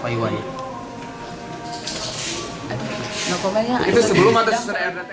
bilangnya gimana nih apakah diberi atau meminta payuannya